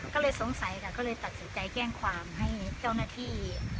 ก็เลยสงสัยค่ะก็เลยตัดสินใจแจ้งความให้เจ้าหน้าที่